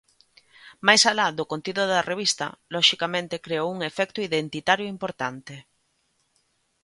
Máis alá do contido da revista, loxicamente creou un efecto identitario importante.